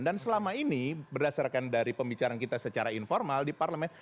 dan selama ini berdasarkan dari pembicaraan kita secara informal di parlemen